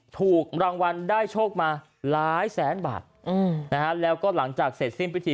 ถูกรางวัลได้โชคมาหลายแสนบาทอืมนะฮะแล้วก็หลังจากเสร็จสิ้นพิธี